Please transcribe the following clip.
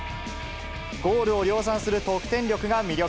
ゴールを量産する得点力が魅力。